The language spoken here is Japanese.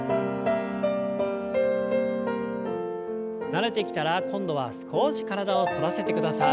慣れてきたら今度は少し体を反らせてください。